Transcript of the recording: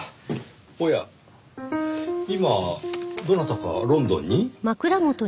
おや今どなたかロンドンに？